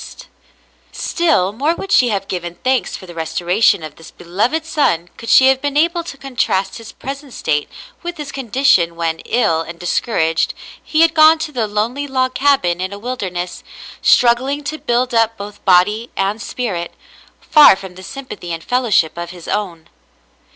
288 David and his Mother 289 Still more would she have given thanks for the resto ration of this beloved son could she have been able to con trast his present state with his condition when, ill and discouraged, he had gone to the lonely log cabin in a wilderness, struggling to build up both body and spirit, far from the sympathy and fellowship of his own.